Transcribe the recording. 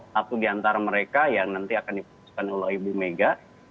satu di antara mereka yang nanti akan diputuskan oleh ibu mega